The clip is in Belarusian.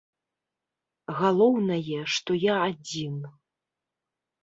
Галоўнае, што я адзін.